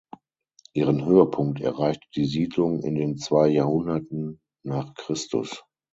Ihren Höhepunkt erreichte die Siedlung in den zwei Jahrhunderten nach Christus.